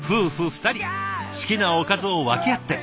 二人好きなおかずを分け合って。